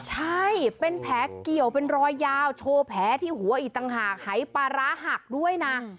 ใช่เป็นแผลเกี่ยวเป็นรอยยาวโชว์แผลที่หัวอีกต่างหากหายปลาร้าหักด้วยนะ